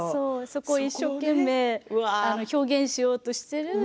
そこ一生懸命表現しようとしている。